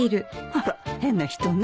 あら変な人ね。